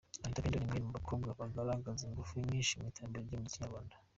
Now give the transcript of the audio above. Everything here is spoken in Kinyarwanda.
Anitha Pendo ni umwe mu bakobwa bagaragaza ingufu nyinshi mu iterambere ry’umuziki nyarwanda.